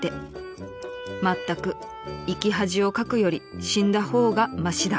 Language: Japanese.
［「まったく生き恥をかくより死んだ方が増だ」］